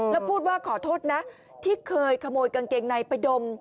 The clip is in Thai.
แล้วพูดว่าขอโทษนะที่เคยขโมยกางเกงในไปดม